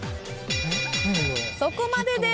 そこまでです。